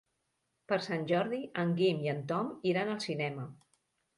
Per Sant Jordi en Guim i en Tom iran al cinema.